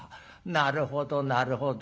なるほどなるほど。